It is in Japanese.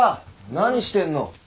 何してんの？